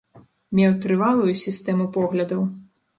Меў трывалую сістэму поглядаў.